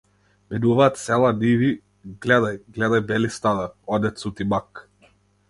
Минуваат села, ниви, гледај, гледај бели стада, онде цути мак!